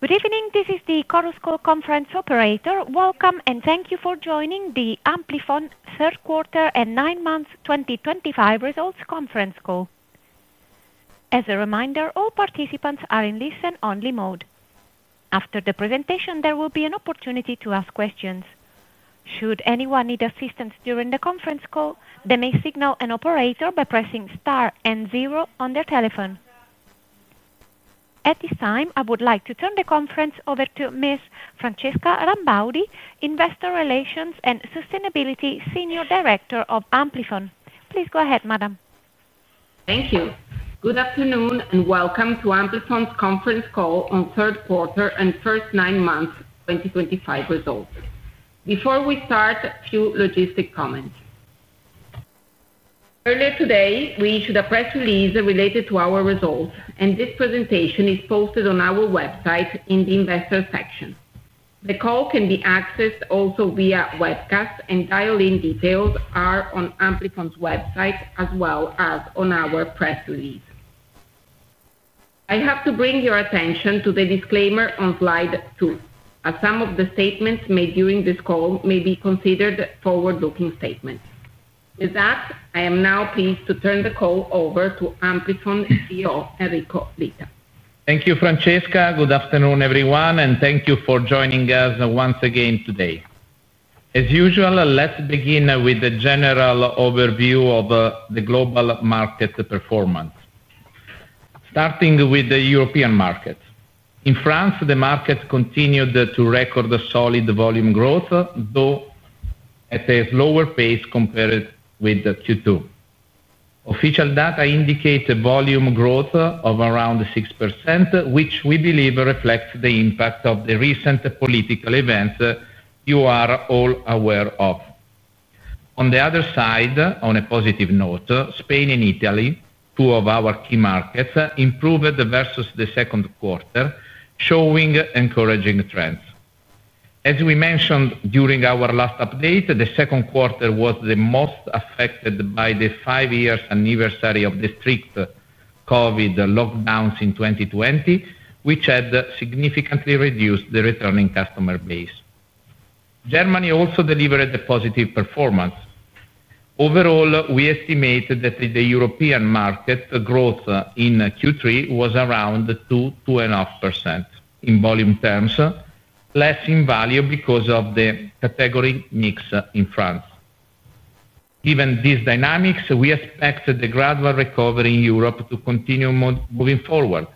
Good evening, this is the Chorus Call Conference Operator. Welcome and thank you for joining the Amplifon third quarter and nine months 2025 results conference call. As a reminder, all participants are in listen only mode. After the presentation, there will be an opportunity to ask questions. Should anyone need assistance during the conference call, they may signal an operator by pressing Star and zero on their telephone. At this time, I would like to turn the conference over to Ms. Francesca Rambaudi, Investor Relations and Sustainability Senior Director of Amplifon. Please go ahead, Madam. Thank you. Good afternoon and welcome to Amplifon's conference call on third quarter and first nine months 2025 results. Before we start, a few logistic comments. Earlier today, we issued a press release related to our results, and this presentation is posted on our website in the Investor section. The call can be accessed also via webcast and dial in. Details are on Amplifon's website as well as on our press release. I have to bring your attention to the disclaimer on slide. Some of the statements made during this call may be considered forward looking statements. With that, I am now pleased to turn the call over to Amplifon CEO Enrico Vita. Thank you, Francesca. Good afternoon, everyone, and thank you for joining us once again today. As usual, let's begin with a general overview of the global market performance, starting with the European market. In France, the market continued to record solid volume growth, though at a slower pace compared with Q2. Official data indicate a volume growth of around 6%, which we believe reflects the impact of the recent political events you are all aware of. On the other side, on a positive note, Spain and Italy, two of our key markets, improved versus the second quarter, showing encouraging trends. As we mentioned during our last update, the second quarter was the most affected by the five-year anniversary of the strict COVID lockdowns in 2020, which had significantly reduced the returning customer base. Germany also delivered a positive performance. Overall, we estimate that the European market growth in Q3 was around 2–2.5% in volume terms, less in value because of the category mix in France. Given these dynamics, we expect the gradual recovery in Europe to continue moving forward,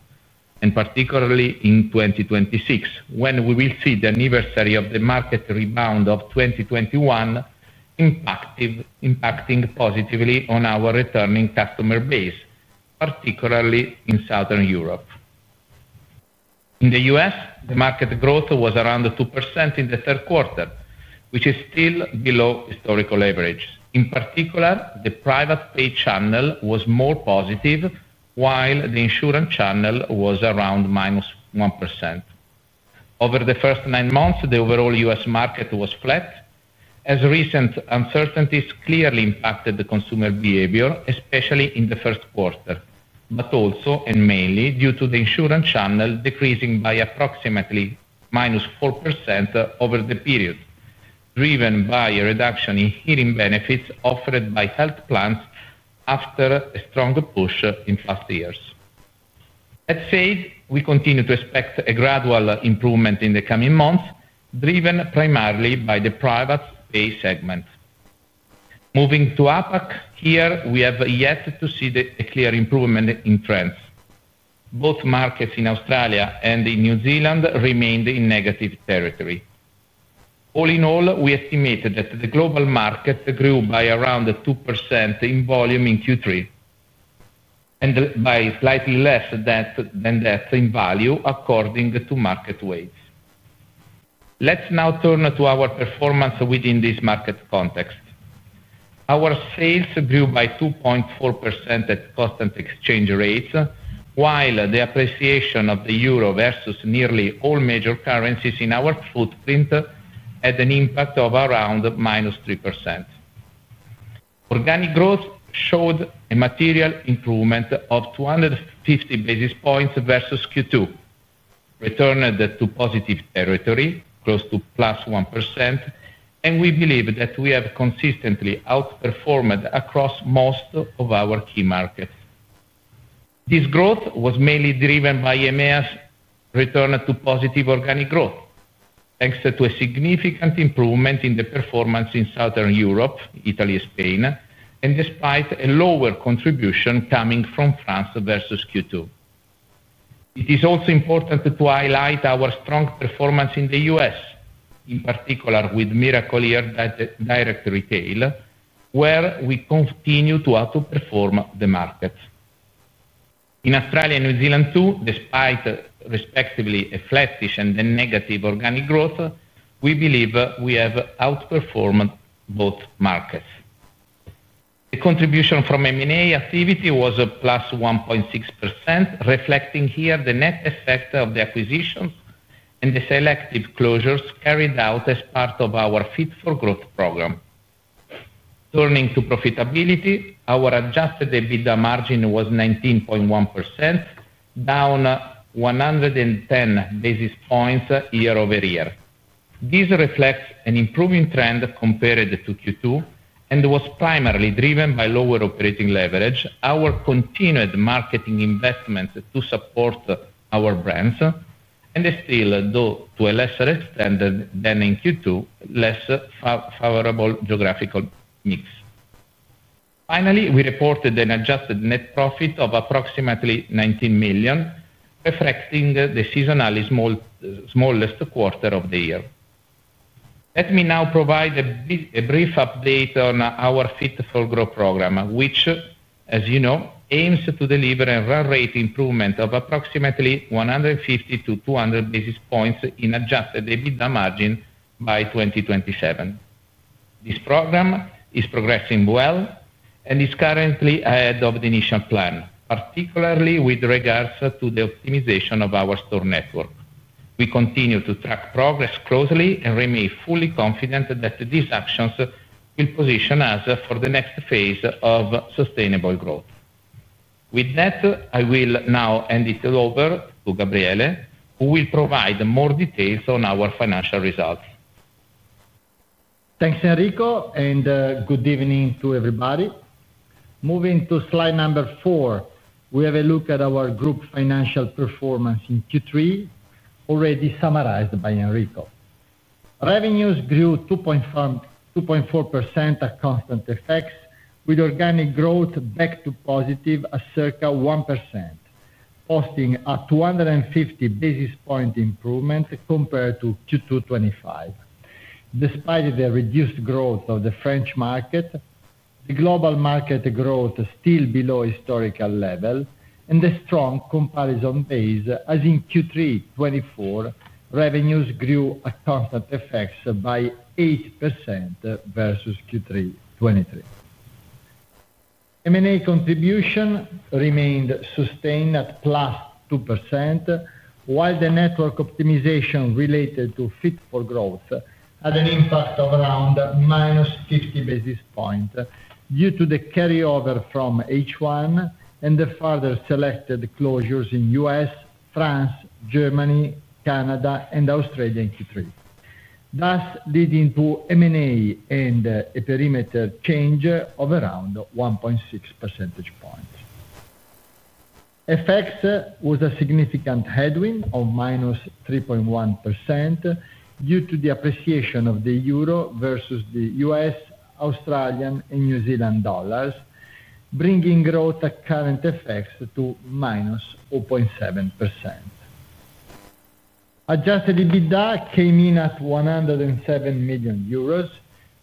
and particularly in 2026 when we will see the anniversary of the market rebound of 2021 impacting positively on our returning customer base, particularly in Southern Europe. In the U.S., the market growth was around 2% in the third quarter, which is still below historical average. In particular, the private pay channel was more positive, while the insurance channel was around -1% over the first nine months. The overall U.S. market was flat as recent uncertainties clearly impacted the consumer behavior, especially in the first quarter, but also and mainly due to the insurance channel decreasing by approximately -4% over the period, driven by a reduction in hearing benefits offered by health plans. After a strong push in past years, as said, we continue to expect a gradual improvement in the coming months, driven primarily by the private pay segment. Moving to APAC, here we have yet to see a clear improvement in trends. Both markets in Australia and in New Zealand remained in negative territory. All in all, we estimate that the global market grew by around 2% in volume in Q3 and by slightly less than that in value according to market weight. Let's now turn to our performance within this market context. Our sales grew by 2.4% at constant exchange rates, while the appreciation of the euro versus nearly all major currencies in our footprint had an impact of around -3%. Organic growth showed a material improvement of 250 basis points versus Q2, returned to positive territory close to +1% and we believe that we have consistently outperformed across most of our key markets. This growth was mainly driven by EMEA's return to positive organic growth thanks to a significant improvement in the performance in Southern Europe, Italy, Spain, and despite a lower contribution coming from France versus Q2. It is also important to highlight our strong performance in the U.S., in particular with Miracle-Ear direct retail, where we continue to outperform the markets in Australia and New Zealand too. Despite respectively a flattish and negative organic growth, we believe we have outperformed both markets. The contribution from M&A activity was +1.6%, reflecting here the net effect of the acquisitions and the selective closures carried out as part of our Fit for Growth program. Turning to profitability, our Adjusted EBITDA margin was 19.1%, down 110 basis points year-over-year. This reflects an improving trend compared to Q2 and was primarily driven by lower operating leverage, our continued marketing investments to support our brands, and still, though to a lesser extent than in Q2, less favorable geographical mix. Finally, we reported an adjusted net profit of approximately 19 million, reflecting the seasonally smallest quarter of the year. Let me now provide a brief update on our Fit for Growth program, which as you know, aims to deliver a run-rate improvement of approximately 150-200 basis points in Adjusted EBITDA margin by 2027. This program is progressing well and is currently ahead of the initial plan, particularly with regards to the optimization of our store network. We continue to track progress closely and remain fully confident that these actions will position us for the next phase of sustainable growth. With that, I will now hand it over to Gabriele who will provide more details on our financial results. Thanks Enrico and good evening to everybody. Moving to slide number four, we have a look at our group financial performance in Q3 already summarized by Enrico. Revenues grew 2.4% at constant FX with organic growth back to positive at circa 1%, posting a 250 basis point improvement compared to Q2 2025 despite the reduced growth of the French market, the global market growth still below historical level, and a strong comparison base as in Q3 2024 revenues grew at constant FX by 8% versus Q3 2023. M&A contribution remained sustained at plus 2% while the network optimization related to Fit for Growth had an impact of around minus 50 basis points due to the carryover from H1 and the further selected closures in the U.S., France, Germany, Canada, and Australia in Q3, thus leading to M&A and a perimeter change of around 1.6%. FX was a significant headwind of minus 3.1% due to the appreciation of the Euro versus the U.S., Australian, and New Zealand dollars, bringing growth at current FX to -0.7%. Adjusted EBITDA came in at 107 million euros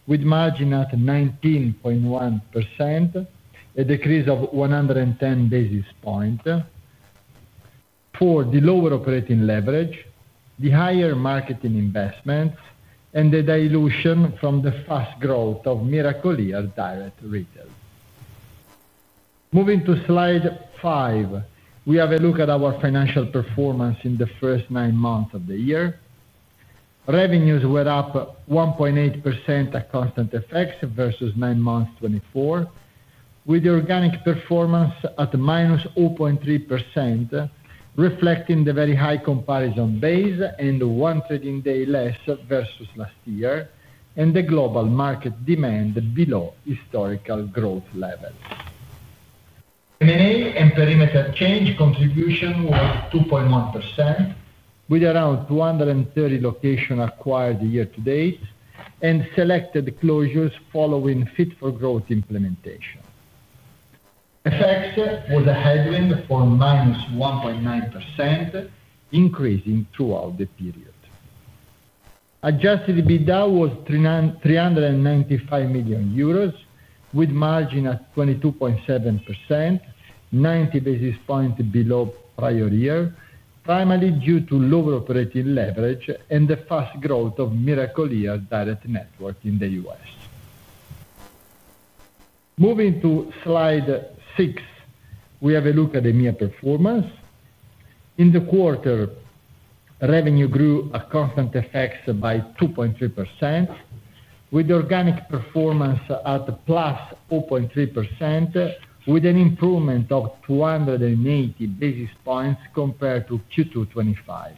with margin at 19.1%, a decrease of 110 basis points for the lower operating leverage, the higher marketing investments, and the dilution from the fast growth of Miracle-Ear direct retail. Moving to slide five, we have a look at our financial performance in the first nine months of the year. Revenues were up 1.8% at constant FX versus nine months 2024 with the organic performance at minus 0.3%, reflecting the very high comparison base and one trading day less versus last year and the global market demand below historical growth levels. M&A and perimeter change contribution was 2.1% with around 230 locations acquired year to date and selected closures following Fit for Growth implementation. FX was a headwind for -1.9%, increasing throughout the period. Adjusted EBITDA was 395 million euros with margin at 22.7%, 90 basis points below prior year primarily due to lower operating leverage and the fast growth of Miracle-Ear direct network in the U.S. Moving to slide six, we have a look at EMEA performance in the quarter. Revenue grew at constant FX by 2.3% with organic performance at plus 0.3%, with an improvement of 280 basis points compared to Q2 2025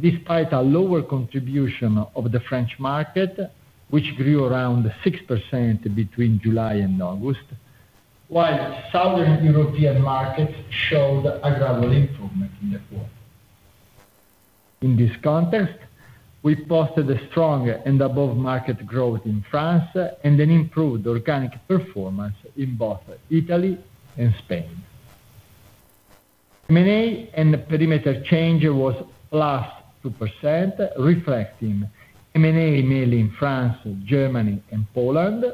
despite a lower contribution of the French market, which grew around 6% between July and August, while Southern European markets showed a gradual improvement in the quarter. In this context, we posted a strong and above market growth in France and an improved organic performance in both Italy and Spain. M&A and perimeter change was +2% reflecting M&A mainly in France, Germany, and Poland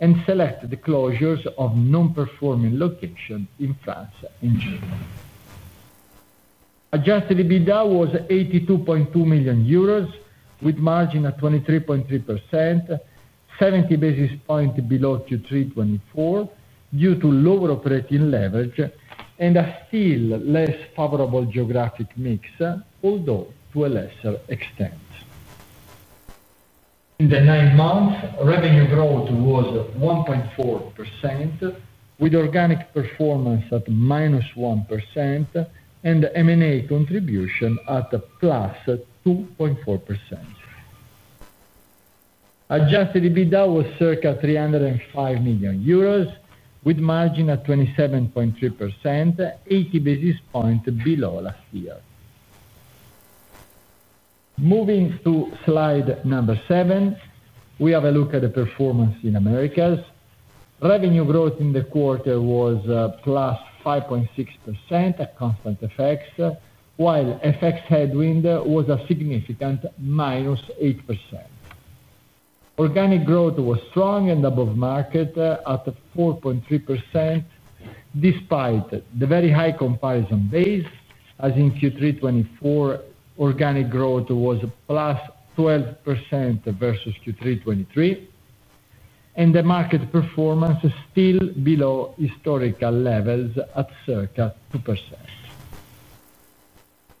and selected closures of non performing locations in France and Germany. Adjusted EBITDA was 82.2 million euros with margin at 23.3%, 70 basis points below Q3 2024 due to lower operating leverage and a still less favorable geographic mix, although to a lesser extent. In the nine months, revenue growth was 1.4% with organic performance at -1% and M&A contribution at +2.4%. Adjusted EBITDA was circa 305 million euros with margin at 27.3%, 80 basis points below last year. Moving to slide number seven, we have a look at the performance in Americas. Revenue growth in the quarter was 5.6% at constant FX, while FX headwind was a significant -8%. Organic growth was strong and above market at 4.3% despite the very high comparison base. As in Q3 2024, organic growth was +12% versus Q3 2023 and the market performance still below historical levels at circa 2%.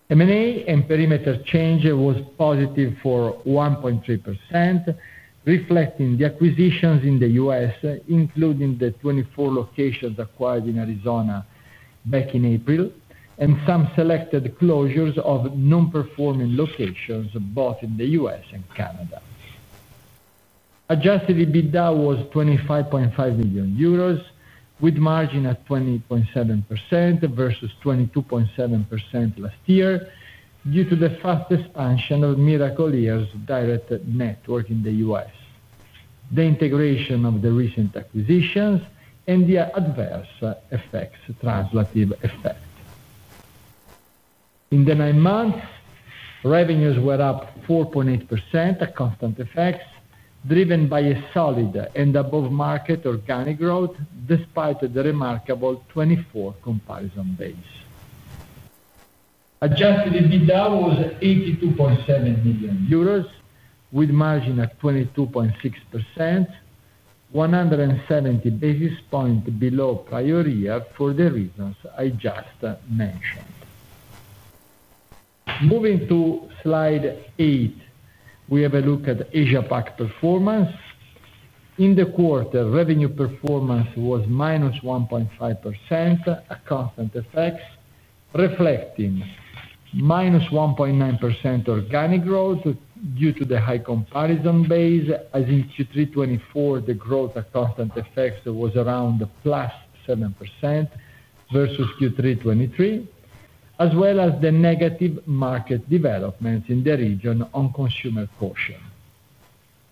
M&A and perimeter change was positive for 1.3% reflecting the acquisitions in the U.S., including the 24 locations acquired in Arizona back in April and some selected closures of non performing locations both in the U.S. and Canada. Adjusted EBITDA was 25.5 million euros with margin at 20.7% versus 22.7% last year due to the fast expansion of Miracle-Ear Direct Network in the U.S., the integration of the recent acquisitions, and the adverse translative effect. In the nine months, revenues were up 4.8% constant FX, driven by a solid and above market organic growth despite the remarkable 2024 comparison base. Adjusted EBITDA was 82.7 million euros with margin at 22.6%, 170 basis points below prior year for the reasons I just mentioned. Moving to slide 8, we have a look at APAC performance in the quarter. Revenue performance was -1.5% at constant FX, reflecting -1.9% organic growth due to the high comparison base. As in Q3 2024, the growth at constant FX was around +7% versus Q3 2023 as well as the negative market developments in the region on consumer caution.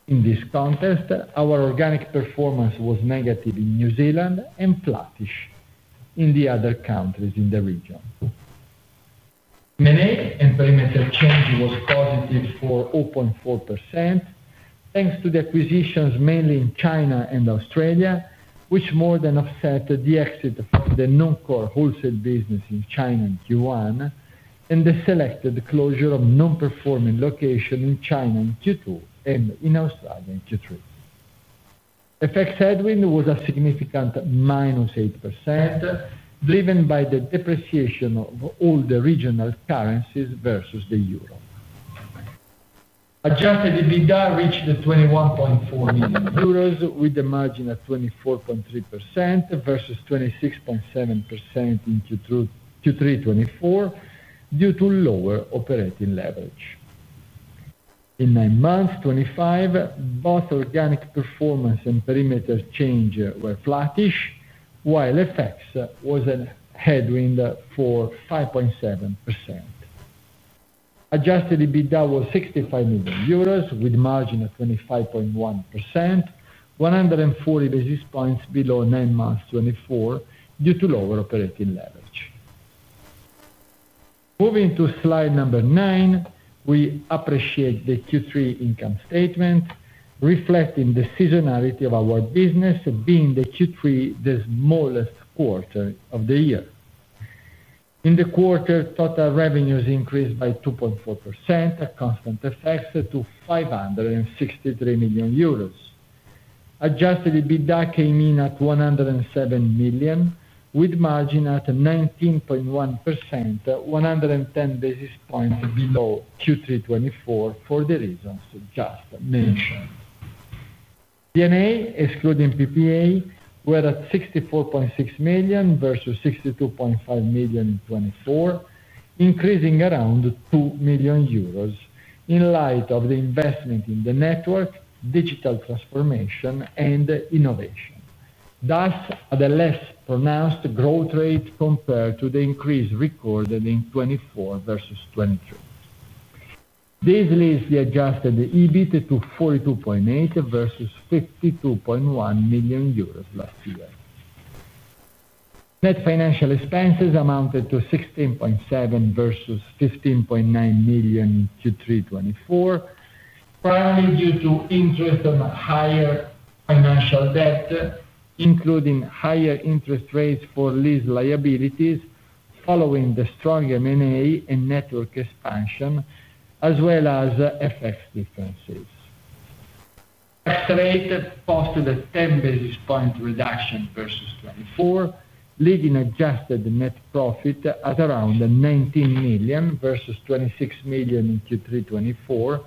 In this context, our organic performance was negative in New Zealand and flattish in the other countries in the region. M&A and perimeter change was positive for 0.4% thanks to the acquisitions mainly in China and Australia, which more than offset the exit of the noncore wholesale business in China and Yuan and the selected closure of underperforming locations in China in Q2 and in Australia in Q3. FX headwind was a significant minus 8% driven by the depreciation of all the regional currencies versus the euro. Adjusted EBITDA reached 21.4 million euros with the margin of 24.3% versus 26.7% in Q3 2024 due to lower operating leverage. In nine months 2025, both organic performance and perimeter change were flattish while FX was a headwind for 5.7%. Adjusted EBITDA was 65 million euros with margin of 25.1%, 140 basis points below nine months 2024 due to lower operating leverage. Moving to slide number 9, we appreciate the Q3 income statement reflecting the seasonality of our business, being Q3 the smallest quarter of the year. In the quarter, total revenues increased by 2.4% at constant FX to 563 million euros. Adjusted EBITDA came in at 107 million with margin at 19.1%, 110 basis points below Q3 2024 for the reasons just mentioned. D&A excluding PPA were at 64.6 million versus 62.5 million in 2024, increasing around 2 million euros in light of the investment in the network, digital transformation, and innovation. Thus, the less pronounced growth rate compared to the increase recorded in 2024 versus 2023. This leads the adjusted EBIT to 42.8 million versus 52.1 million euros last year. Net financial expenses amounted to 16.7 million versus 15.9 million in Q3 2024, primarily due to interest on higher financial debt, including higher interest rates for lease liabilities following the strong M&A and network expansion as well as FX differences. Tax rate posted a 10 basis point reduction versus 2024, leading adjusted net profit at around 19 million versus 26 million in Q3 2024,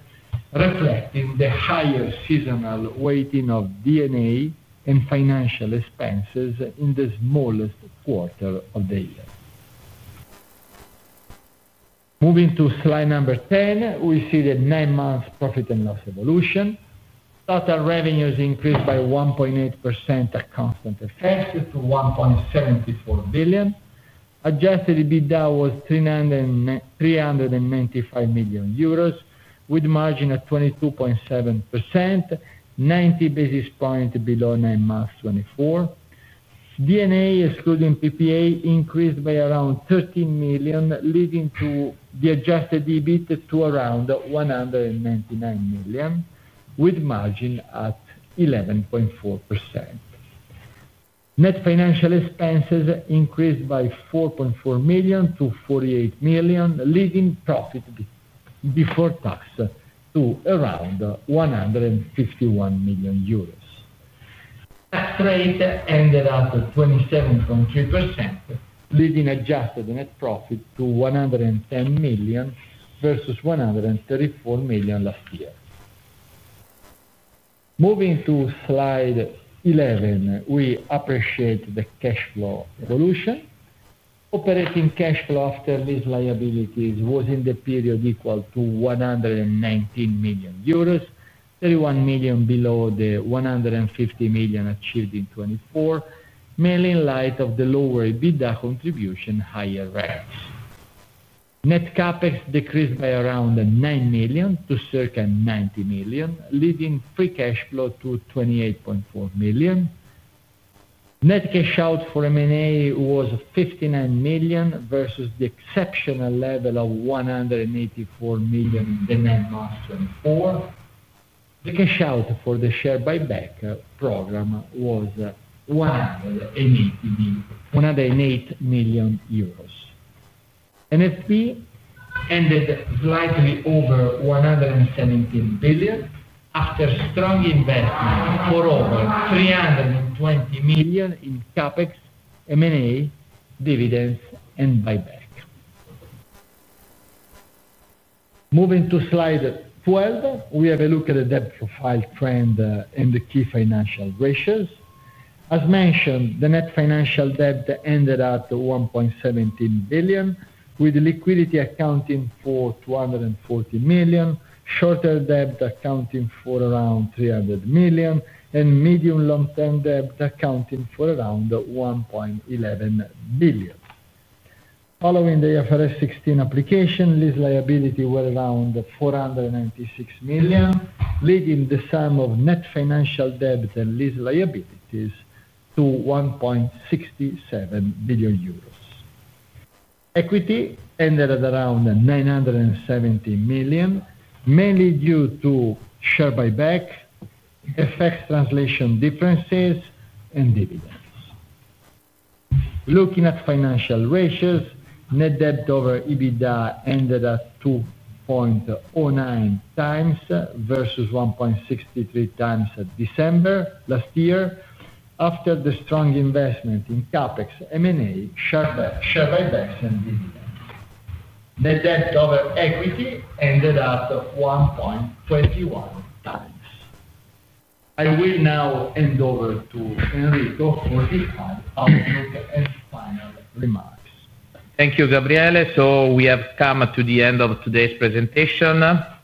reflecting the higher seasonal weighting of D&A and financial expenses in the smallest quarter of the year. Moving to slide number 10, we see the nine months profit and loss evolution. Total revenues increased by 1.8% at constant FX to 1.74 billion. Adjusted EBITDA was 395 million euros with margin at 22.7%, 90 basis points below nine months 2024. D&A excluding PPA increased by around 13 million, leading to the adjusted EBIT to around 199 million with margin at 11.4%. Net financial expenses increased by 4.4 million-48 million, leading profit before tax to around 151 million euros. Tax rate ended at 27.3%, leading adjusted net profit to 110 million versus 134 million last year. Moving to slide 11, we appreciate the cash flow evolution. Operating cash flow after these liabilities was in the period equal to 119 million euros, 31 million below the 150 million achieved in 2023, mainly in light of the lower EBITDA contribution, higher rates. Net CapEx decreased by around 9 million to circa 90 million, leading free cash flow to 28.4 million. Net cash out for M&A was 59 million versus the exceptional level of 184 million. 4. The cash out for the share buyback program was 108 million euros. NFP ended slightly over 117 million after. Strong investment for over $320 million in. CapEx, M&A, dividends, and buyback. Moving to slide 12, we have a look at the debt profile trend and the key financial ratios. As mentioned, the net financial debt ended at 1.17 billion with liquidity accounting for 240 million, short-term debt accounting for around 300 million, and medium long-term debt accounting for around 1.11 billion. Following the IFRS 16 application, lease liability was around 496 million, leading the sum of net financial debt and lease liabilities to 1.67 billion euros. Equity ended at around 970 million mainly due to share buyback, FX translation differences, and dividends. Looking at financial ratios, net debt over EBITDA ended at 2.09x versus 1.63x in December last year. After the strong investment in CapEx, M&A, share buybacks, and dividends, the debt over equity ended up 1.21x. I will now hand over to Enrico for his outlook and final remarks. Thank you, Gabriele. We have come to the end of today's presentation,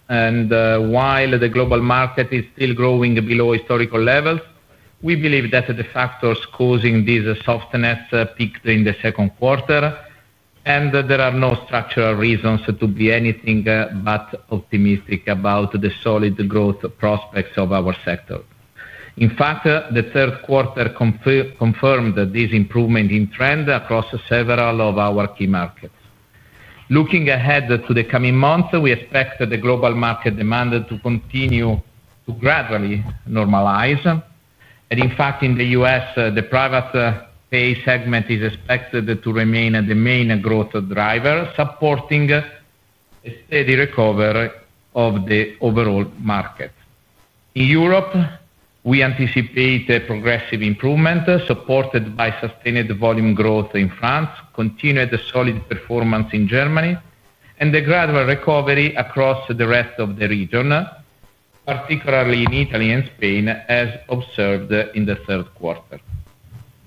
and while the global market is still growing below historical levels, we believe that the factors causing this softness peaked in the second quarter, and there are no structural reasons to be anything but optimistic about the solid growth prospects of our sector. In fact, the third quarter confirmed this improvement in trend across several of our key markets. Looking ahead to the coming months, we expect the global market demand to continue to gradually normalize, and in fact in the U.S. the private pay segment is expected to remain the main growth driver, supporting a steady recovery of the overall market. In Europe, we anticipate a progressive improvement supported by sustained volume growth. In France, continued the solid performance in Germany and the gradual recovery across the rest of the region, particularly in Italy and Spain, as observed in the third quarter.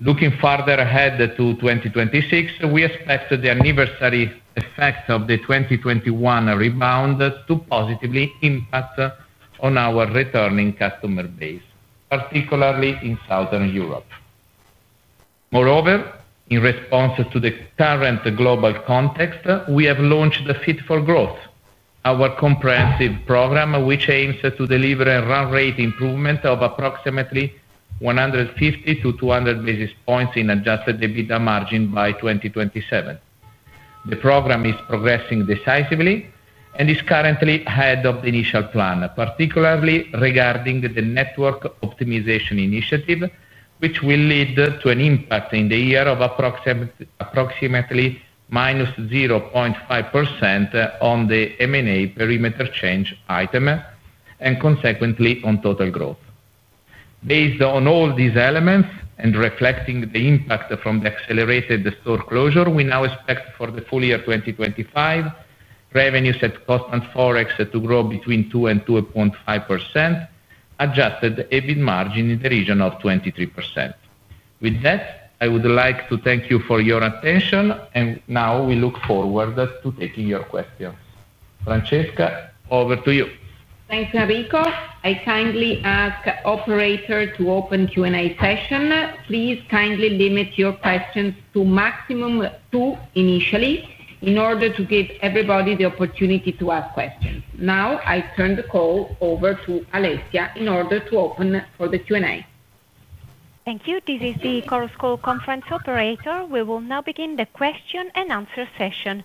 Looking farther ahead to 2026, we expect the anniversary effect of the 2021 rebound to positively impact on our returning customer base, particularly in Southern Europe. Moreover, in response to the current global context, we have launched Fit for Growth, our comprehensive program which aims to deliver a run-rate improvement of approximately 150 to 200 basis points in adjusted EBITDA margin by 2027. The program is progressing decisively and is currently ahead of the initial plan, particularly regarding the Network Optimization initiative, which will lead to an impact in the year of approximately minus 0.5% on the M&A perimeter change item and consequently on total growth. Based on all these elements and reflecting the impact from the accelerated store closure, we now expect for the full year 2025 revenues at constant FX to grow between 2% and 2.5%, adjusted EBIT margin in the region of 23%. With that, I would like to thank you for your attention, and now we look forward to taking your questions. Francesca, over to you. Thanks, Enrico. I kindly ask the operator to open the Q&A session. Please kindly limit your questions to a maximum of 2 initially in order to give everybody the opportunity to ask questions. Now I turn the call over to Alessia in order to open for the Q&A. Thank you. This is the Chorus Call conference operator. We will now begin the question and answer session.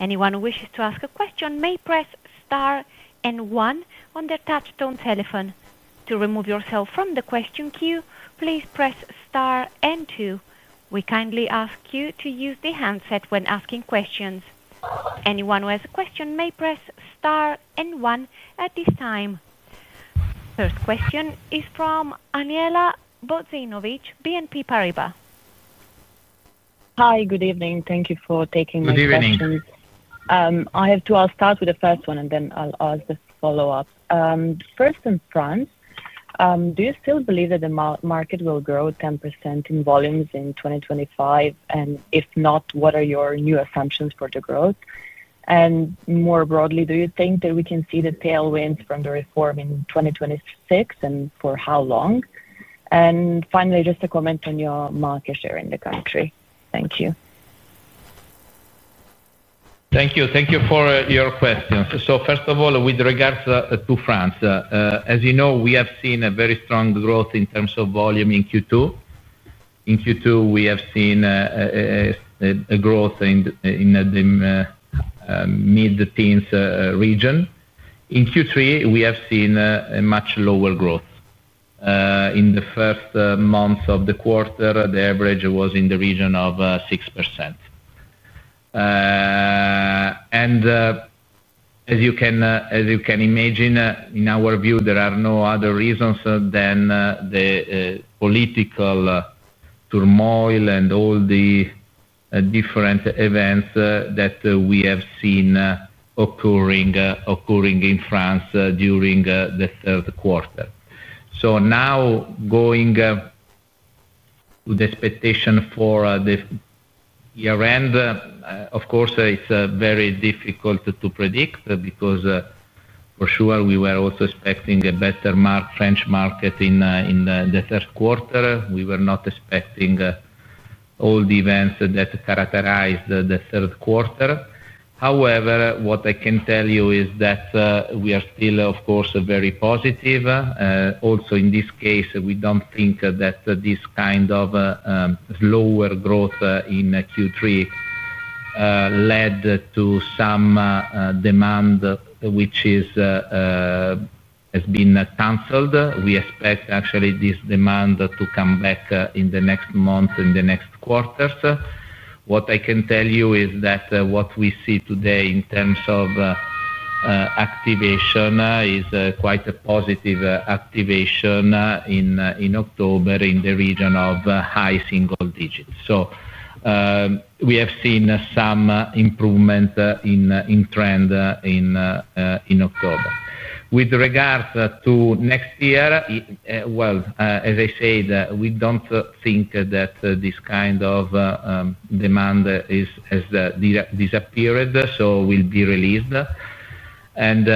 Anyone who wishes to ask a question may press star and one on the touchtone telephone. To remove yourself from the question queue, please press enter. We kindly ask you to use the handset when asking questions. Anyone who has a question may press star and one at this time. First question is from Andjela Bozinovic, BNP Paribas. Hi, good evening. Thank you for taking. I have two. I'll start with the first one and then I'll ask the follow-up first. In France, do you still believe that the market will grow 10% in volumes in 2025 and if not, what are your new assumptions for the growth and more broadly? Do you think that we can see the tailwinds from the reform in 2026 and for how long? Finally, just a comment on your market share in the country. Thank you. Thank you. Thank you for your question. First of all, with regards to France, as you know we have seen very strong growth in terms of volume in Q2. In Q2 we have seen growth in the mid-teens region. In Q3 we have seen much lower growth in the first months of the quarter, the average was in the region of 6%. As you can imagine, in our view there are no other reasons than the political turmoil and all the different events that we have seen occurring in France during the third quarter. Now, going with expectation for the year end, of course it's very difficult to predict because for sure we were also expecting a better French market in the third quarter. We were not expecting all the events that characterized the third quarter. However, what I can tell you is that we are still of course very positive. Also in this case, we don't think that this kind of lower growth in Q3 led to some demand which has been cancelled. We expect actually this demand to come back in the next month, in the next couple quarters. What I can tell you is that what we see today in terms of activation is quite a positive activation in October in the region of high single digits. We have seen some improvement in trend in October with regards to next year. I say that we don't think that this kind of demand has disappeared, so it will be released and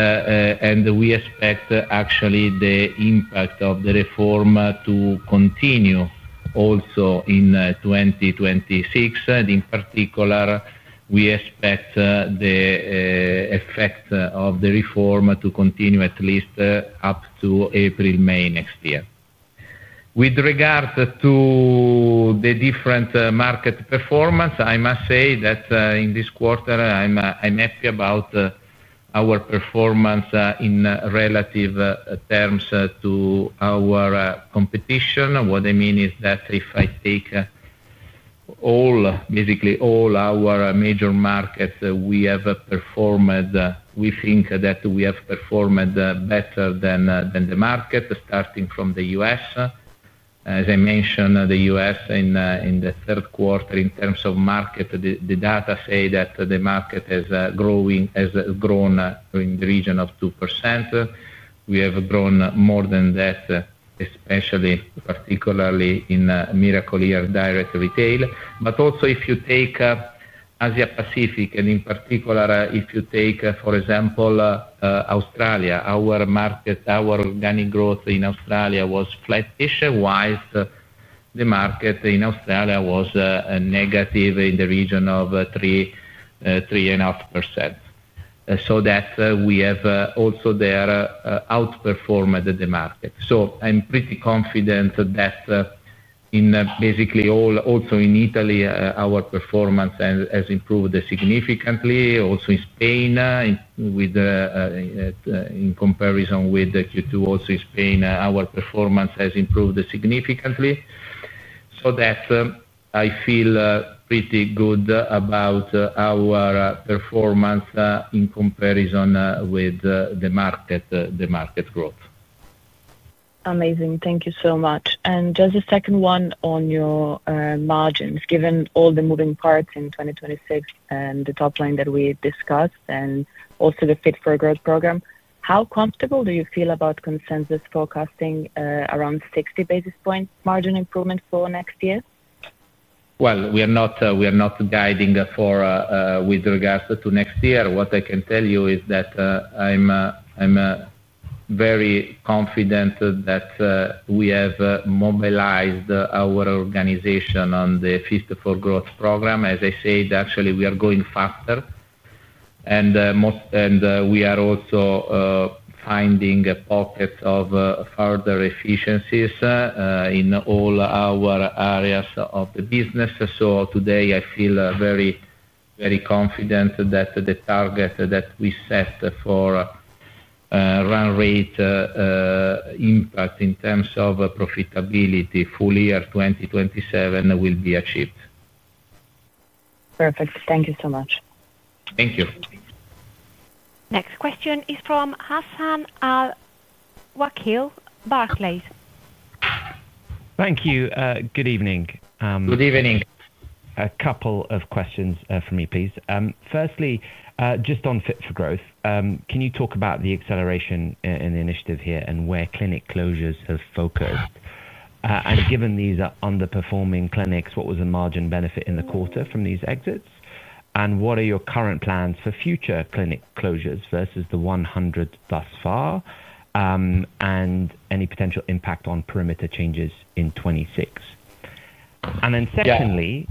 we expect actually the impact of the reform to continue also in 2026. In particular, we expect the effect of the reform to continue at least up to April, May next year. With regard to the different market performance, I must say that in this quarter I'm happy about our performance in relative terms to our competition. What I mean is that if I take basically all our major markets, we think that we have performed better than the market starting from the U.S. As I mentioned, the U.S. in the third quarter in terms of market, the data say that the market has grown in the region of 2%. We have grown more than that, particularly in Miracle-Ear direct retail. Also, if you take Asia Pacific and in particular if you take for example Australia, our organic growth in Australia was flattish, while the market in Australia was negative in the region of 3% to 3.5%, so we have also there outperformed the market. I'm pretty confident that in basically all, also in Italy our performance has improved significantly. Also in Spain in comparison with Q2, also Spain our performance has improved significantly. I feel pretty good about our performance in comparison with the market growth. Amazing. Thank you so much. Just a second one on your margins, given all the moving parts in 2026 and the top line that we discussed and also the Fit for Growth program, how comfortable do you feel about consensus forecasting around 60 basis point margin improvement for next year? We are not guiding for, with regards to next year. What I can tell you is that I'm very confident that we have mobilized our organization on the Fit for Growth program. As I said, actually we are going faster and we are also finding a pocket of further efficiencies in all our areas of the business. Today I feel very, very confident that the target that we set for run-rate impact in terms of profitability, full year 2027 will be achieved. Perfect. Thank you so much. Thank you. Next question is from Hassan Al-Wakeel, Barclays. Thank you. Good evening. Good evening. A couple of questions for me, please. Firstly, just on Fit for Growth, can you talk about the acceleration in the initiative here and where clinic closures have focused, and given these are underperforming clinics, what was the margin benefit in the quarter from these exits, and what are your current plans for future clinic closures versus the 100 thus far, and any potential impact on perimeter changes in 2026? Secondly,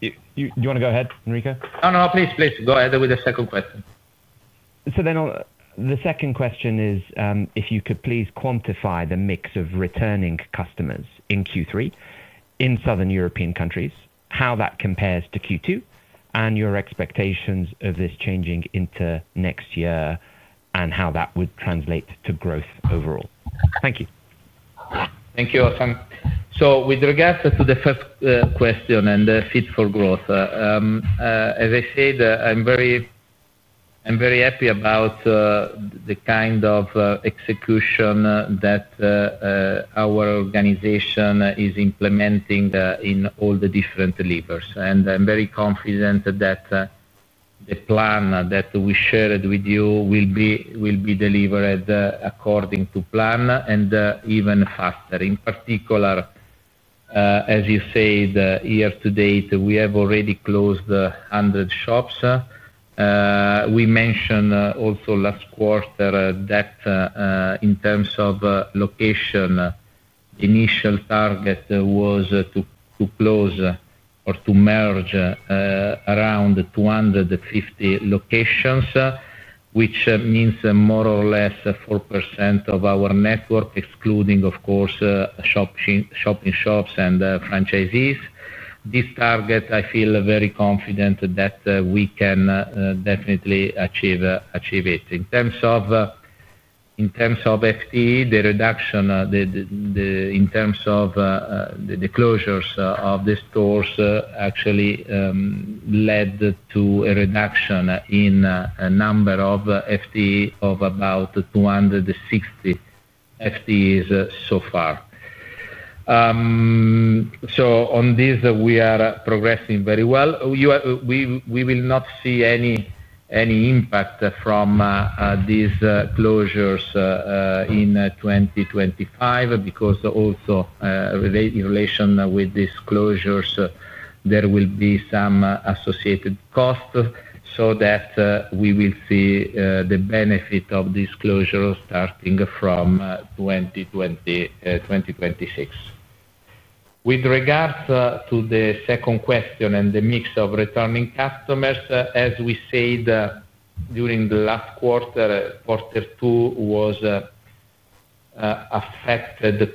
do you want to go ahead, Enrico? No, no, please, please go ahead with the second question. The second question is if you could please quantify the mix of returning customers in Q3 in Southern European countries, how that compares to Q2, and your expectations of this changing into next year, and how that would translate to growth overall. Thank you. Thank you, Hassan. Sure. With regards to the first question and the Fit for Growth program, as I said, I'm very happy about the kind of execution that our organization is implementing in all the different levers and I'm very confident that the plan that we shared with you will be delivered according to plan and even faster. In particular, as you say, year to date we have already closed 100 shops. We mentioned also last quarter that in terms of location, the initial target was to close or to merge around 250 locations, which means more or less 4% of our network, excluding, of course, shopping shops and franchisees. This target, I feel very confident that we can definitely achieve. In terms of FTE, the reduction in terms of the closures of the stores actually led to a reduction in a number of FTEs of about 260 FTEs so far. On these we are progressing very well. We will not see any impact from these closures in 2025 because also in relation with these closures there will be some associated cost so that we will see the benefit of this closure starting from 2026. With regards to the second question and the mix of returning customers, as we said during the last quarter, Q2 was affected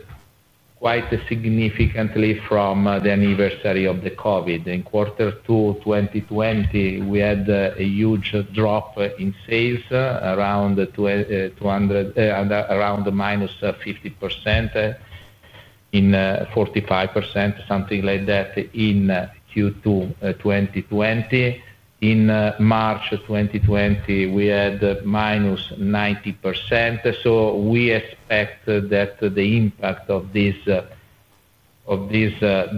quite significantly from the anniversary effect of COVID. In Q2 2020, we had a huge drop in sales, around minus 50%-45%, something like that in Q2 2020. In March 2020 we had minus 90%. We expect that the impact of this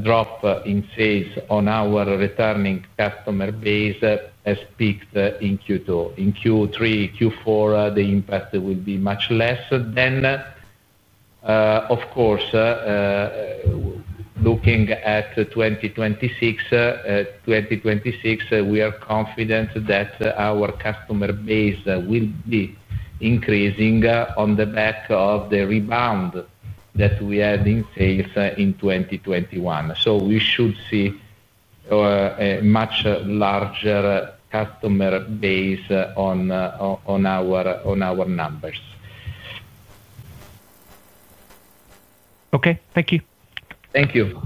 drop in sales on our returning customer base has peaked in Q2. In Q3 and Q4, the impact will be much less. Looking at 2026, we are confident that our customer base will be increasing on the back of the rebound that we had in sales in 2021. We should see a much larger customer base on our numbers. Okay, thank you. Thank you.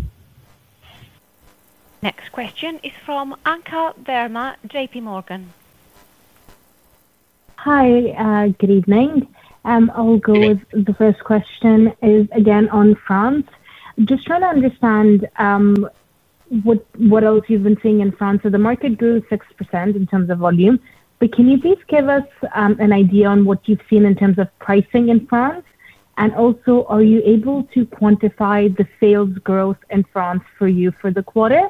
Next question is from Ankita Verma, JPMorgan. Hi, good evening. I'll go with the first question, again on France. Just trying to understand what else you've been seeing in France. The market grew 6% in terms of volume. Can you please give us an idea on what you've seen in terms of pricing in France? Also, are you able to quantify the sales growth in France for you for the quarter?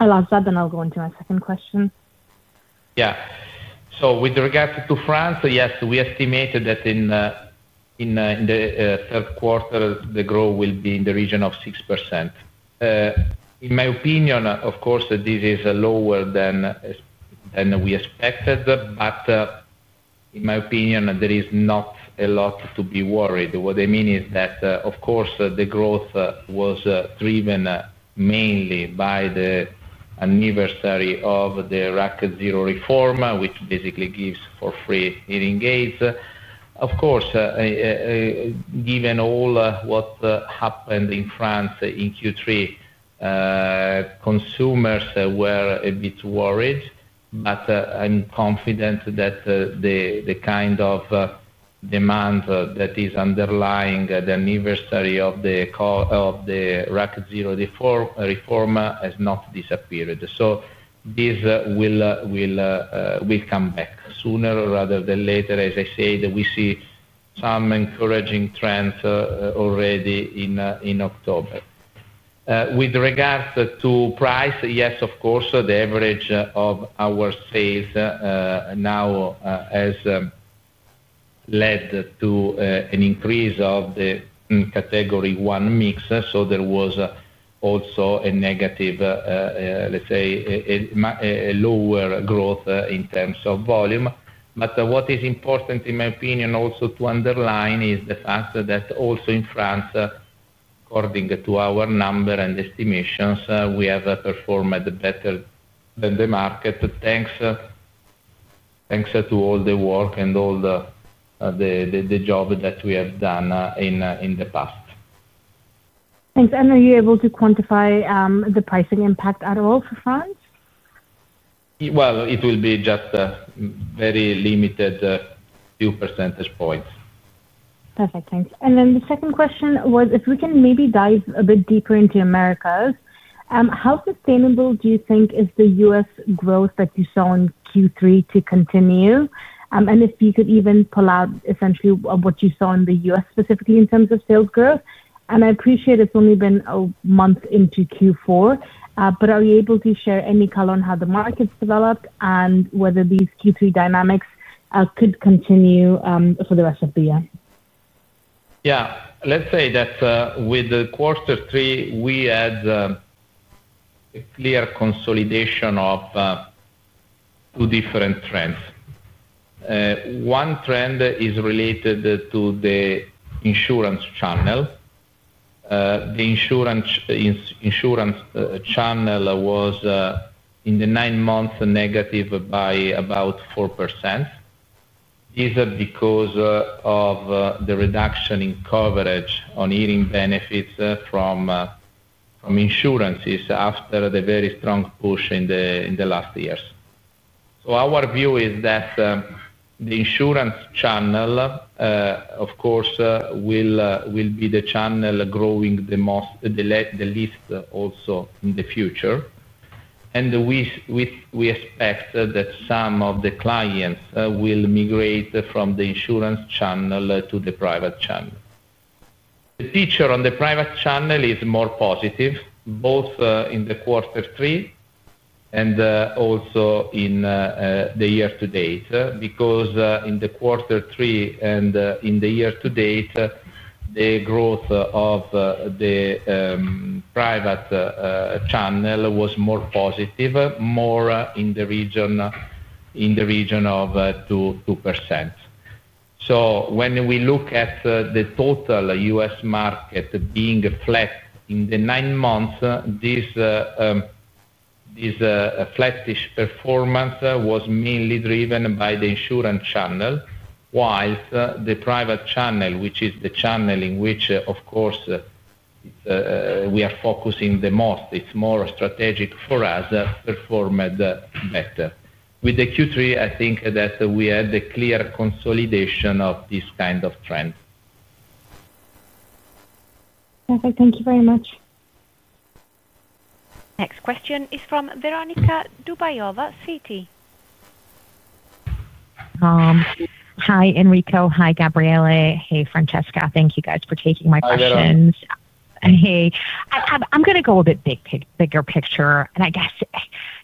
I'll ask that, then I'll go on to my second question. Yeah. So with regards to France, yes, we estimated that in the third quarter the growth will be in the region of 6%. In my opinion, of course this is lower than we expected. In my opinion there is not a lot to be worried. What I mean is that of course the growth was driven mainly by the anniversary effect of the RAC 0 reform, which basically gives for free hearing aids. Of course, given all what happened in France in Q3, consumers were a bit worried. I'm confident that the kind of demand that is underlying the anniversary effect of the RAC 0 reform has not disappeared. These will come back sooner rather than later. As I say, we see some encouraging trends already in October. With regards to price, yes, of course, the average of our sales now has led to an increase of the category one mix. There was also a negative, let's say a lower growth in terms of volume. What is important in my opinion also to underline is the fact that also in France, according to our number and estimations, we have performed better than the market thanks to all the work and all the job that we have done in the past. Thanks. Are you able to quantify the pricing impact at all for France? It will be just a very limited few percentage points. Perfect, thanks. The second question was if we can maybe dive a bit deeper into Americas. How sustainable do you think is the U.S. growth that you saw in Q3 to continue? If you could even pull out essentially what you saw in the U.S. specifically in terms of sales growth? I appreciate it's only been a month into Q4, but are you able to share any color on how the markets developed and whether these Q3 dynamics could continue for the rest of the year? Yeah, let's say that with the quarter three we had clear consolidation of two different trends. One trend is related to the insurance channel. The insurance channel was in the nine months negative by about 4%. These are because of the reduction in coverage on hearing benefits from insurances after the very strong push in the last years. Our view is that the insurance channel, of course, will be the channel growing the least also in the future. We expect that some of the clients will migrate from the insurance channel to the private channel. The picture on the private channel is more positive both in the quarter three and also in the year to date. In the quarter three and in the year to date, the growth of the private channel was more positive, more in the region of 2%. When we look at the total U.S. market being flat in the nine months, this flattish performance was mainly driven by the insurance channel, while the private channel, which is the channel in which, of course, we are focusing the most, it's more strategic for us, better with the Q3. I think that we had a clear consolidation of this kind of trend. Thank you very much. Next question is from Veronika Dubajova Citi. Hi, Enrico. Hi, Gabriele. Hey, Francesca. Thank you guys for taking my questions. Hey, I'm going to go a bit bigger picture and I guess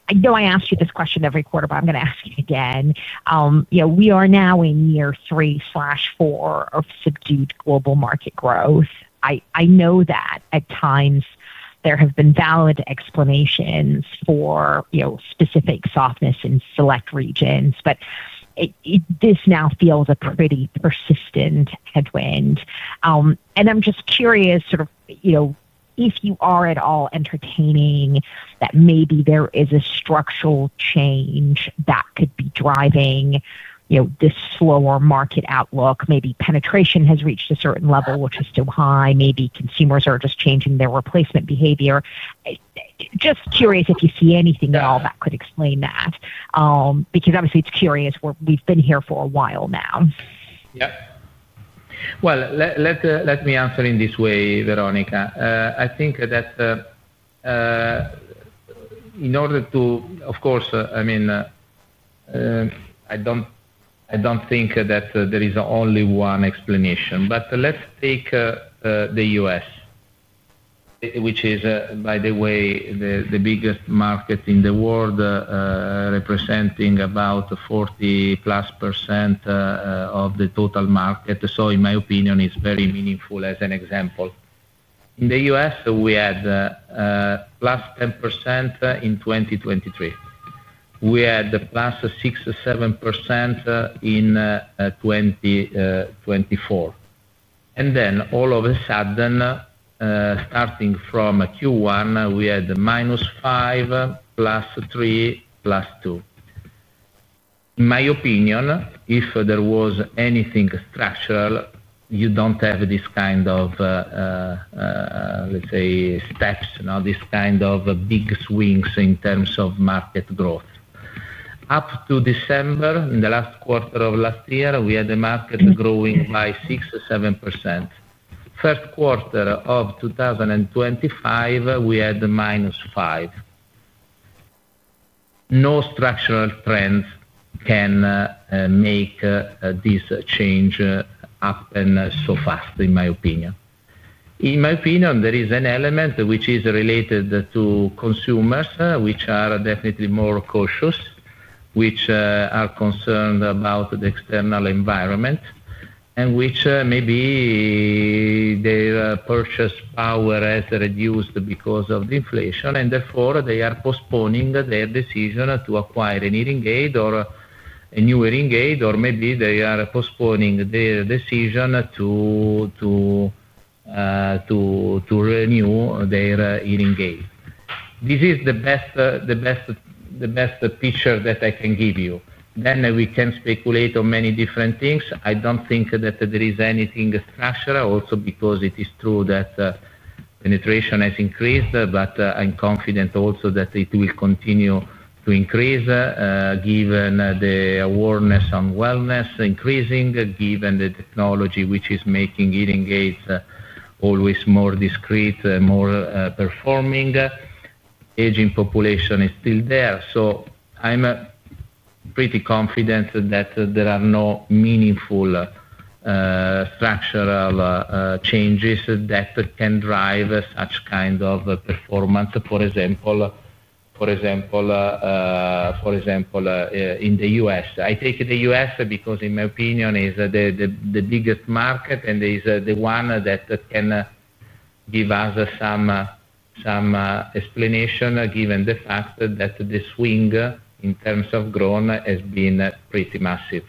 I know I ask you this question every quarter, but I'm going to ask you again. We are now in year three/four of subdued global market growth. I know that at times there have been valid explanations for specific softness in select regions, but this now feels a pretty persistent headwind. I'm just curious, sort of, you know, if you are at all entertaining that maybe there is a structural change that could be driving, you know, this slower market outlook. Maybe penetration has reached a certain level which is too high. Maybe consumers are just changing their replacement behavior. Just curious if you see anything at all that could explain that, because obviously it's curious. We've been here for a while now. Yeah, let me answer in this way, Veronika. I think that in order to, of course, I mean, I don't think that there is only one explanation. Let's take the U.S., which is, by the way, the biggest market in the world, representing about 40+% of the total market. In my opinion, it's very meaningful. As an example, in the U.S. we had +10% in 2023, we had +6.7% in 2024. All of a sudden, starting from Q1, we had -5, +3, +2. In my opinion, if there was anything structural, you don't have this kind of, let's say, steps, not this kind of big swings in terms of market growth up to December. In the last quarter of last year, we had the market growing by 6 or 7%. First quarter of 2025, we had -5. No structural trends can make this change happen so fast, in my opinion. In my opinion, there is an element which is related to consumers who are definitely more cautious, who are concerned about the external environment and who maybe have reduced their purchase because of the inflation and therefore they are postponing their decision to acquire a hearing aid or a new hearing aid. Or maybe they are postponing their decision to renew their hearing aid. This is the best picture that I can give you. We can speculate on many different things. I don't think that there is anything structural also because it is true that penetration has increased, but I'm confident also that it will continue to increase given the awareness on wellness increasing, given the technology which is making hearing aids always more discreet, more performing, aging population is still there. I'm pretty confident that there are no meaningful structural changes that can drive such kind of performance. For example, in the U.S., I take the U.S. because in my opinion it is the biggest market and is the one that can give us some explanation given the fact that the swing in terms of growth has been pretty massive.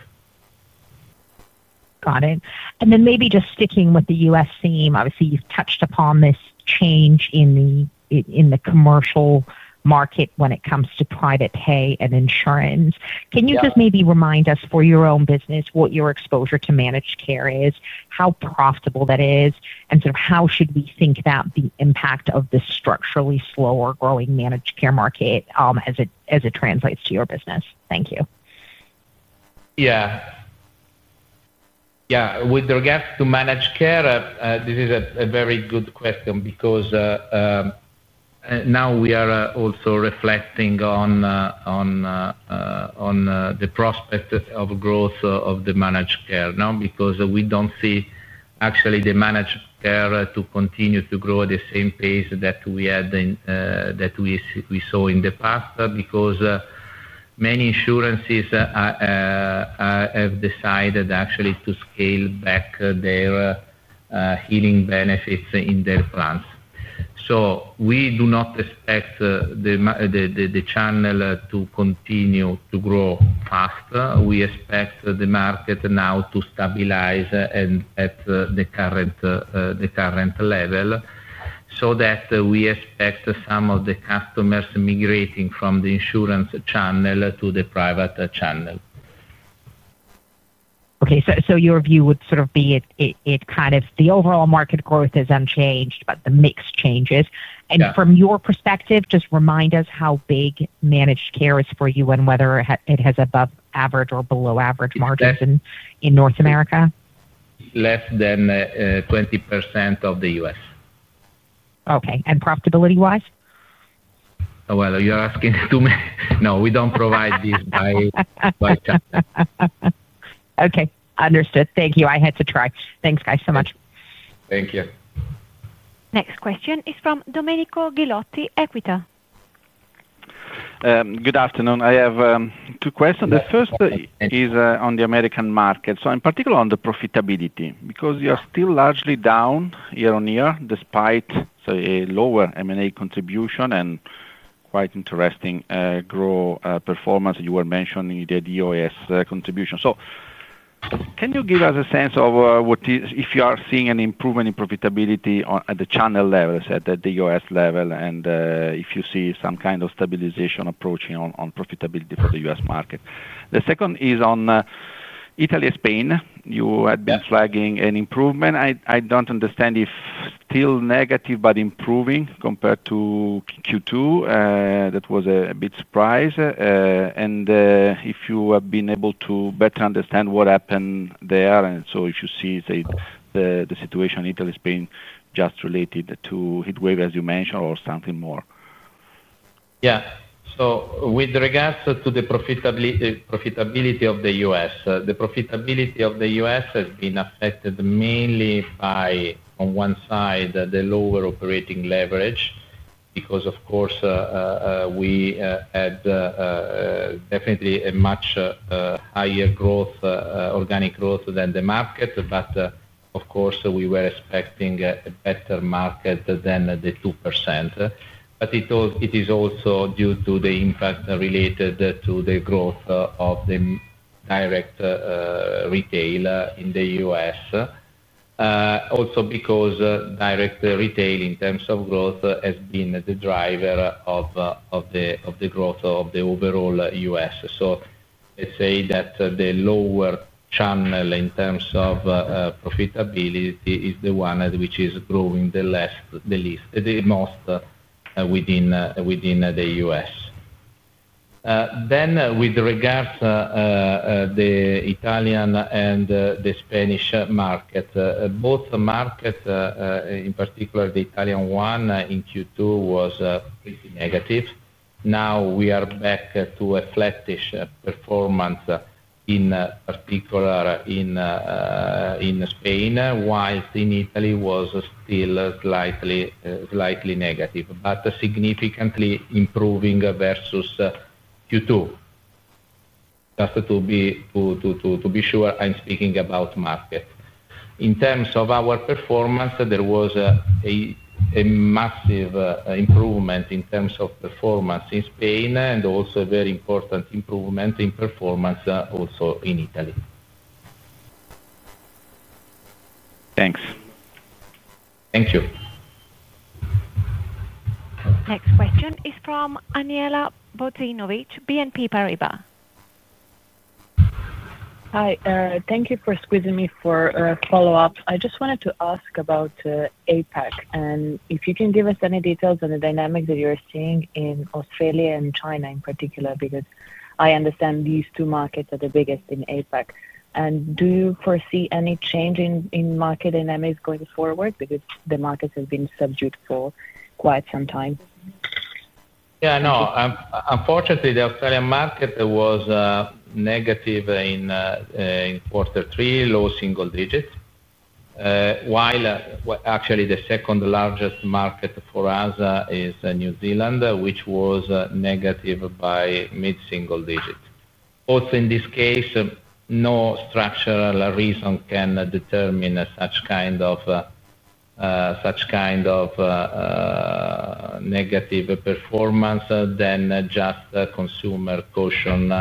Got it. Maybe just sticking with the U.S. theme, obviously you've touched upon this change in the commercial market when it comes to private pay and insurance. Can you just maybe remind us for your own business what your exposure to managed care is, how profitable that is, and sort of how should we think about the impact of the structurally slower growing managed care market as it does, as it translates to your business? Thank you. With regards to managed care, this is a very good question because now we are also reflecting on the prospect of growth of the managed care now because we don't see actually the managed care to continue to grow at the same pace that we had in that we saw in the past because many insurances have decided actually to scale back their hearing benefits in their plans. We do not expect the channel to continue to grow faster. We expect the market now to stabilize at the current level so that we expect some of the customers migrating from the insurance channel to the private channel. Okay, your view would sort of be it kind of the overall market growth is unchanged, but the mix changes. From your perspective, just remind us how big managed care is for you and whether it has above average or below average margins in North America. Than 20% of the U.S. Profitability wise? You're asking too many. No, we don't provide this. Okay, understood. Thank you. I had to try. Thanks guys so much. Thank you. Next question is from Domenico Ghilotti, Equita. Good afternoon. I have two questions. The first is on the American market, so in particular on the profitability because you are still largely down year on year despite a lower M&A contribution and quite interesting growth performance. You were mentioning the OAS contribution. Can you give us a sense of what is, if you are seeing an improvement in profitability at the channel level at the U.S. level, and if you see some kind of stability approach on profitability for the U.S. market? The second is on Italy, Spain. You had been flagging an improvement. I don't understand if still negative but improving compared to Q2, that was a bit surprise. If you have been able to better understand what happened there and if you see the situation in Italy, Spain, just related to heat wave as you mentioned or something more. Yeah. With regards to the profitability, profitability of the U.S., the profitability of the U.S. has been affected mainly by, on one side, the lower operating leverage because of course we had definitely a much higher growth, organic growth than the market. We were expecting a better market than the 2%. It is also due to the impact related to the growth of the direct retail in the U.S. Also, because direct retail in terms of growth has been the driver of the growth of the overall U.S. The lower channel in terms of profitability is the one which is growing the least, the most within the U.S. With regards to the Italian and the Spanish market, both markets, in particular the Italian one in Q2, was pretty negative. Now we are back to a flattish performance, in particular in Spain, while in Italy it was still slightly, slightly negative but significantly improving versus Q2. Just to be sure, I'm speaking about market in terms of our performance. There was a massive improvement in terms of performance in Spain and also a very important improvement in performance also in Italy. Thanks. Thank you. Next question is from Andjela Bozinovic, BNP Paribas. Hi, thank you for squeezing me for follow up. I just wanted to ask about APAC and if you can give us any details on the dynamic that you're seeing in Australia and China in particular, because I understand these two markets are the biggest in APAC. Do you foresee any change in market in mass going forward because the market has been subdued for quite some time. Yeah, no, unfortunately the Australian market was negative in quarter three, low single digit, while actually the second largest market for us is New Zealand, which was negative by mid single digit. Also, in this case, no structural reason can determine such kind of negative performance than just consumer caution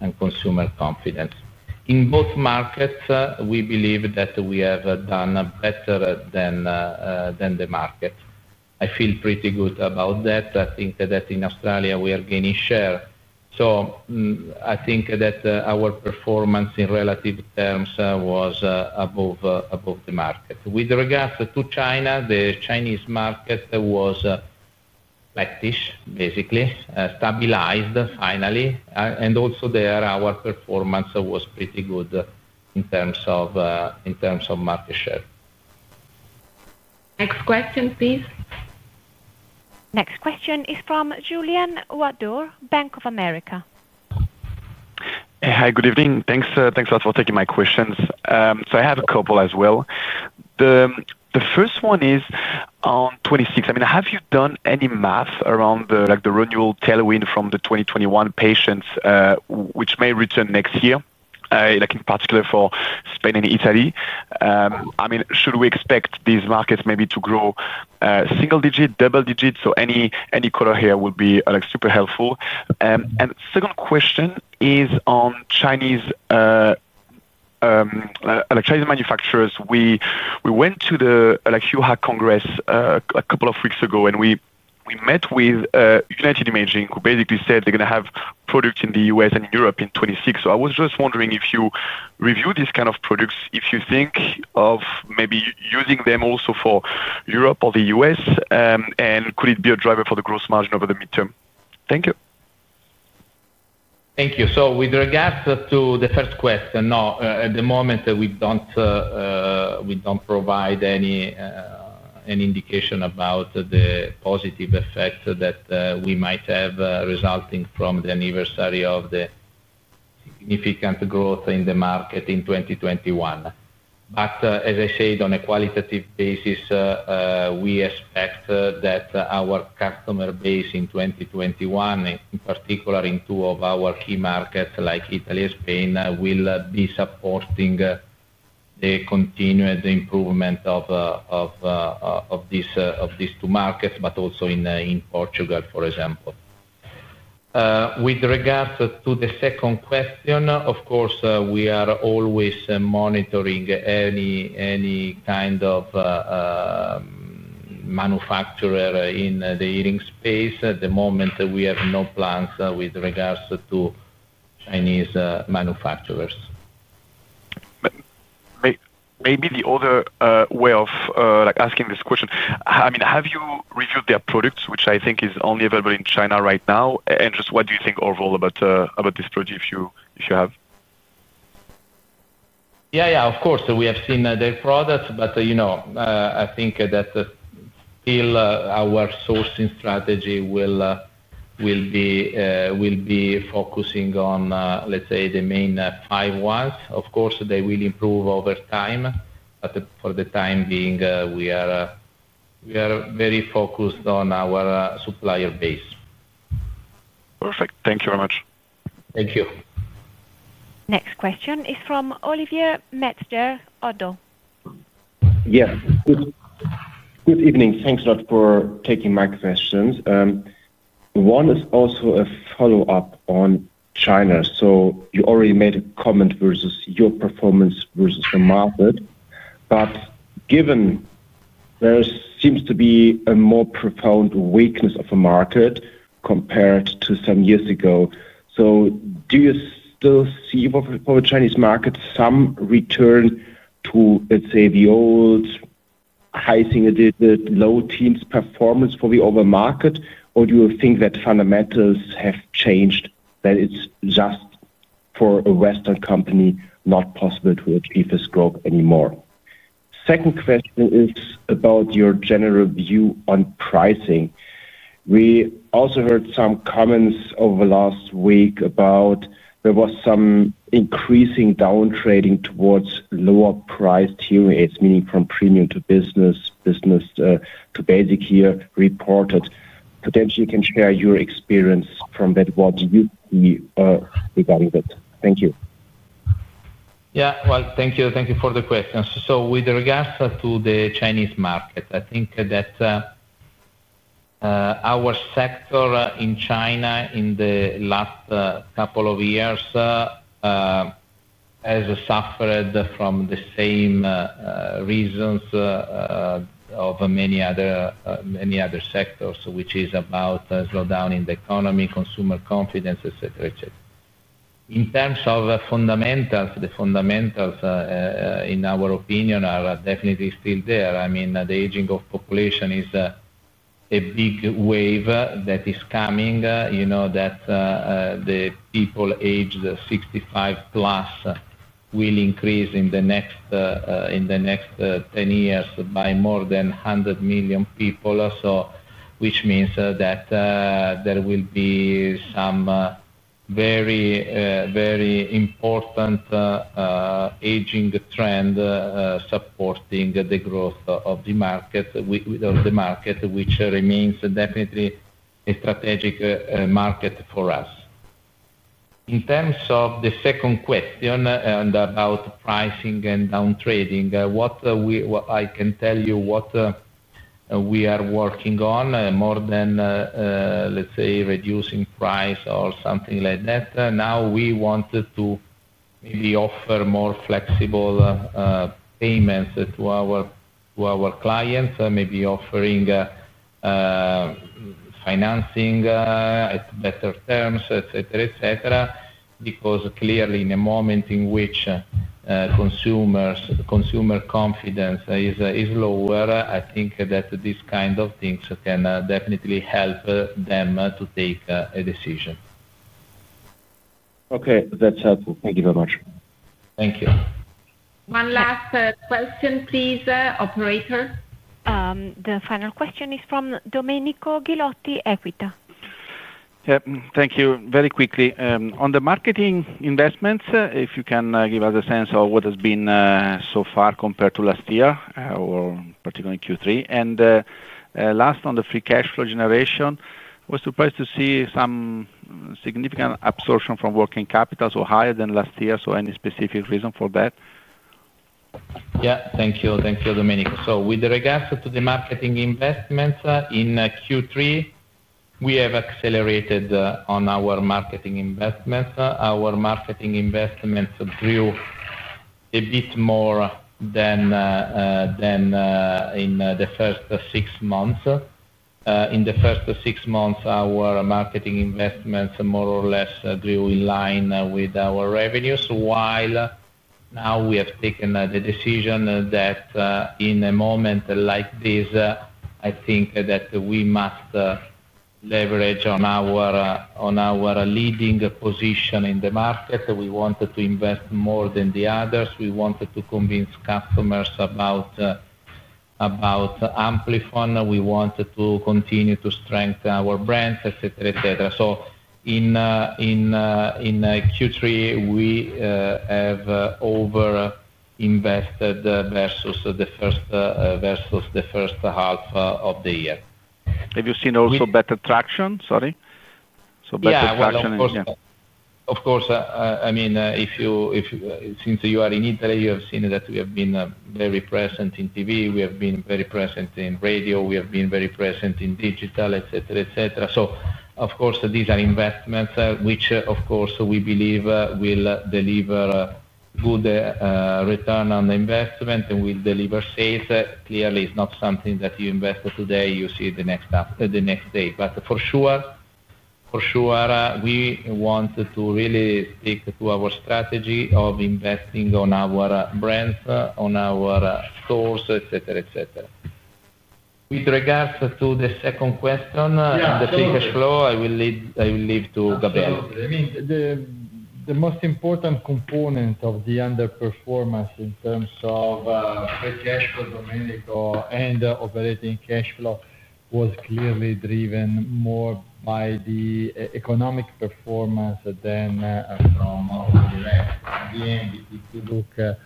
and consumer confidence. In both markets, we believe that we have done better than the market. I feel pretty good about that. I think that in Australia we are gaining share. I think that our performance in relative terms was above the market. With regards to China, the Chinese market was basically stabilized finally. Also, there our performance was pretty good in terms of market share. Next question please. Next question is from Julien Ouaddour, Bank of America. Hi, good evening. Thanks. Thanks a lot for taking my questions. I have a couple as well. The first one is on 26. I mean, have you done any math around the, like the renewal tailwind from the 2021 patients which may return next year, like in particular for Spain and Italy? I mean, should we expect these markets maybe to grow single digit, double digit? Any color here will be super helpful. Second question is on Chinese electric manufacturers. We went to the Congress a couple of weeks ago and we met with United Imaging who basically said they're going to have products in the U.S. and Europe in 2016. I was just wondering if you review these kind of products, if you think of maybe using them also for Europe or the U.S. and could it be a driver for the gross margin over the midterm? Thank you. Thank you. With regards to the first question, no, at the moment we don't provide any indication about the positive effect that we might have resulting from the anniversary of the significant growth in the market in 2021. As I said, on a qualitative basis, we expect that our customer base in 2021, in particular in two of our key markets like Italy and Spain, will be supporting the continued improvement of these two markets. Also in Portugal, for example. With regards to the second question, of course we are always monitoring any kind of manufacturer in the hearing space. At the moment we have no plans with regards to Chinese manufacturers. Maybe the other way of asking this question, I mean have you reviewed their products which I think is only available in China right now. What do you think overall about this project? If you have? Yeah, yeah, of course we have seen their products. I think that still our sourcing strategy will be focusing on let's say the main five ones. Of course they will improve over time but for the time being we are very focused on our supplier base. Perfect. Thank you very much. Thank you. Next question is from Oliver Metzger, Oddo. Yes, good evening. Thanks a lot for taking my questions. One is also a follow-up on China. You already made a comment versus your performance versus the market, but given there seems to be a more profound weakness of a market compared to some years ago, do you still see for the Chinese market some return to, let's say, the old high single low teens performance for the overall market? Or do you think that fundamentals have changed, that it's just for a Western company not possible to achieve this growth anymore? Second question is about your general view on pricing. We also heard some comments over the last week about there was some increasing down trading towards lower priced hearing aids, meaning from premium to business, business to basic you reported. Potentially you can share your experience from that, what you see regarding that. Thank you. Thank you for the questions. With regards to the Chinese market, I think that our sector in China in the last couple of years has suffered from the same reasons as many other sectors, which is about slowdown in the economy, consumer confidence, etc. In terms of fundamentals, the fundamentals in our opinion are definitely still there. The aging of population is a big wave that is coming. You know that the people aged 65 plus will increase in the next 10 years by more than 100 million people, which means that there will be some very, very important aging trend supporting the growth of the market, which remains definitely a strategic market for us. In terms of the second question about pricing and down trading, what I can tell you is we are working on more than, let's say, reducing price or something like that. We wanted to offer more flexible payments to our clients, maybe offering financing, better terms, etc., because clearly in a moment in which consumer confidence is lower, I think that these kind of things can definitely help them to take a decision. Okay, that's helpful. Thank you very much. Thank you. One last question, please, operator. The final question is from Domenico Ghilotti. Equita, thank you. Very quickly on the marketing investments, if you can give us a sense of what has been so far compared to last year or particularly in Q3 and last on the free cash flow generation, was surprised to see some significant absorption from working capital, so higher than last year. Any specific reason for that? Yeah, thank you. Thank you, Domenico. With regards to the marketing investments in Q3, we have accelerated on our marketing investments. Our marketing investment grew a bit more than in the first six months. In the first six months, our marketing investments more or less grew in line with our revenues. While now we have taken the decision that in a moment like this, I think that we must leverage on our leading position in the market. We wanted to invest more than the others, we wanted to convince customers about Amplifon, we wanted to continue to strengthen our brands, etc. In Q3, we have overinvested versus the first half of the year. Have you seen also better traction? Sorry, of course, I mean since you are in Italy, you have seen that we have been very present in TV, we have been very present in radio, we have been very present in digital, etc. These are investments which we believe will deliver good return on the investment and will deliver sales. Clearly, it's not something that you invest today, you see the next day. For sure, we want to really stick to our strategy of investing on our brands, on our stores, etc. Etc. With regards to the second question, the free cash flow, I will leave to. Gabriele, I mean the most important component of the underperformed in terms of free cash for Domenico and operating cash flow was clearly driven more by the economic. Performance than. If you look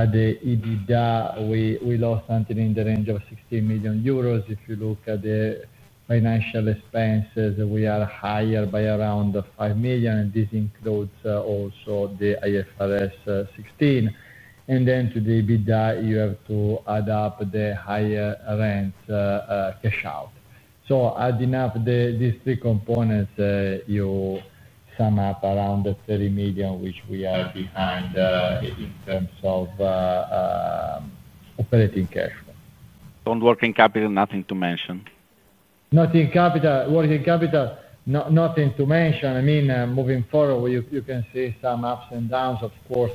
at the EBITDA, we lost something in the range of 16 million euros. If you look at the financial expenses, we are higher by around 5 million. This includes also the IFRS 16. To the EBITDA you have. To add up the higher rent cash out. Adding up these three components, you sum up around $30 million, which. We are behind in terms of operating cash flow on working capital, nothing to. Mention, not in capital, working capital, nothing to mention. I mean moving forward you can see some ups and downs. Of course,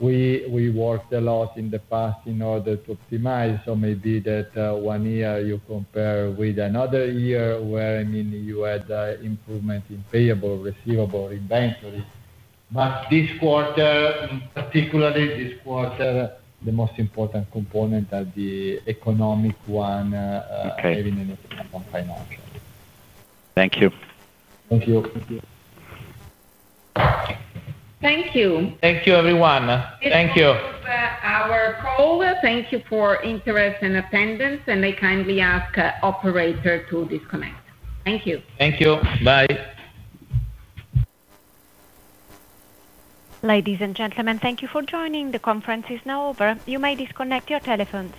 I mean we worked a lot in the past in order to optimize, so maybe that one year you compare with another year where you had improvement in payable, receivable, inventory. This quarter, particularly this quarter, the most important component of the economic one. Thank you. Thank you. Thank you. Thank you, everyone. Thank you. Thank you for your interest and attendance. I kindly ask the operator to disconnect. Thank you. Thank you. Bye. Ladies and gentlemen, thank you for joining. The conference is now over. You may disconnect your telephones.